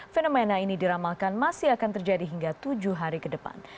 fenomena ini diramalkan masih akan terjadi hingga tujuh hari ke depan